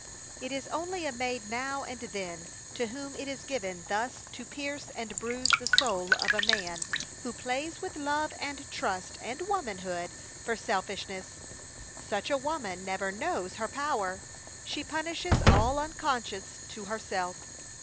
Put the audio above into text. It is only a maid now and then to whom it is given thus to pierce and bruise the soul of a man who plays with love and trust and womanhood for selfishness. Such a woman never knows her power. She punishes all unconscious to herself.